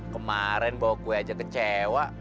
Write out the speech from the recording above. kemarin bahwa gue aja kecewa